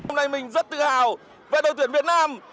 hôm nay mình rất tự hào về đội tuyển việt nam